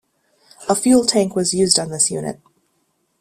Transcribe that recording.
A fuel tank was used on this unit.